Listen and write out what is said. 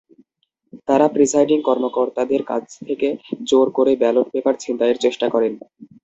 তাঁরা প্রিসাইডিং কর্মকর্তাদের কাছ থেকে জোর করে ব্যালট পেপার ছিনতাইয়ের চেষ্টা করেন।